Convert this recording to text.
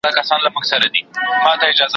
زه به د ليکلو تمرين کړی وي؟!